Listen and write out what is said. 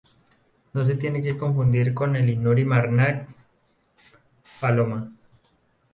No se tiene que confundir con el Inuri-Margnat Paloma.